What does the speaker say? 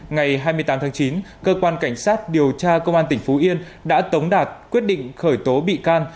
ngày hai mươi tám tháng chín cơ quan cảnh sát điều tra công an tỉnh phú yên đã tống đạt quyết định khởi tố bị can